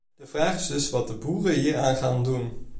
De vraag is dus wat de boeren hieraan gaan doen.